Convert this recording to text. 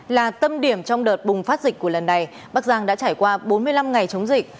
là tâm điểm trong đợt bùng phát dịch của lần này bắc giang đã trải qua bốn mươi năm ngày chống dịch